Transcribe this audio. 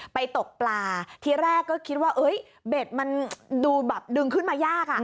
ไปตกปลาที่แรกก็คิดว่าเบ็ดมันดึงขึ้นมายาก